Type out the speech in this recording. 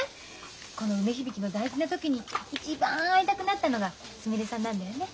この梅響の大事な時に一番会いたくなったのがすみれさんなんだよね？